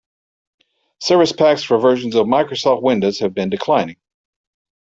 Service packs for versions of Microsoft Windows have been declining.